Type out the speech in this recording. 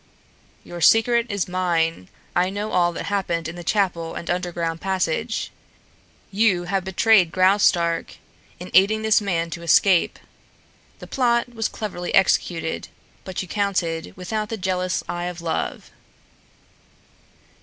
"Your secret is mine. I know all that happened in the chapel and underground passage. You have betrayed Graustark in aiding this man to escape. The plot was cleverly executed, but you counted without the jealous eye of love.